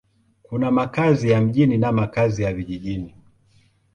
Kuna makazi ya mjini na makazi ya vijijini.